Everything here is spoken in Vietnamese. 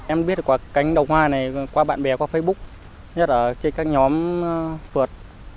em biết cả cánh đồng hoa này qua bạn bè qua facebook nhất là trên các nhóm phượt